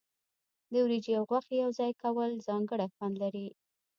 د وریجې او غوښې یوځای کول ځانګړی خوند لري.